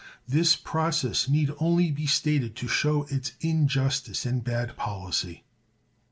This process need only be stated to show its injustice and bad policy.